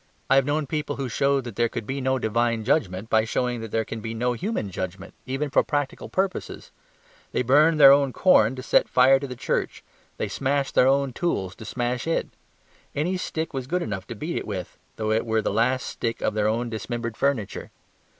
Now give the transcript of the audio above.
I have known people who showed that there could be no divine judgment by showing that there can be no human judgment, even for practical purposes. They burned their own corn to set fire to the church; they smashed their own tools to smash it; any stick was good enough to beat it with, though it were the last stick of their own dismembered furniture.